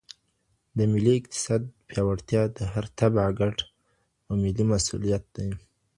د ملي اقتصاد پياوړتيا د هر تبعه ګډ او ملي مسووليت دی.